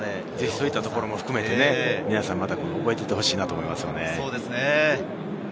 そういったところも含めて、皆さん覚えていてほしいと思いますね。